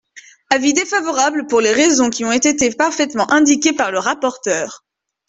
Avis défavorable pour les raisons qui ont été parfaitement indiquées par le rapporteur.